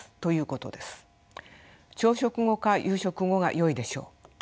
朝食後か夕食後がよいでしょう。